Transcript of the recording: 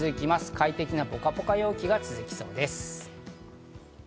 快適なポカポカ陽気が続きそうです。